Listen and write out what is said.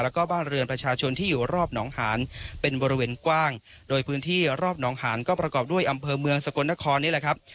แล้วก็บ้านเรือนประชาชนที่อยู่รอบหนองหานเป็นบริเวณกว้างโดยพื้นที่รอบหนองหานก็ประกอบด้วยอำเภอเมืองสกลนครนี่แหละครับ